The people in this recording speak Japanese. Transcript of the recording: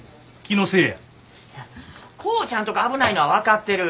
浩ちゃんとこ危ないのは分かってる。